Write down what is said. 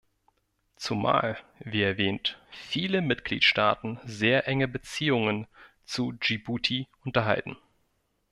Zumal, wie erwähnt, viele Mitgliedstaaten sehr enge Beziehungen zu Dschibuti unterhalten.